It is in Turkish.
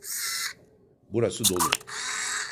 Burası dolu.